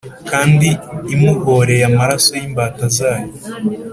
kandi imuhōreye amaraso y’imbata zayo